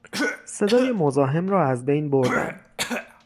صدای مزاحم را از بین بردن